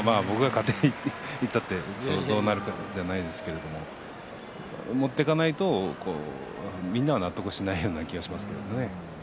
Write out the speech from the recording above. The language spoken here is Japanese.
僕は勝手に言ったってどうなるかということじゃないんですけど持っていかないとみんなが納得しないような気がしますね。